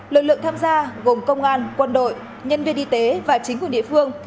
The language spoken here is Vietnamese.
lực lượng tham gia gồm công an quân đội nhân viên y tế và chính quyền địa phương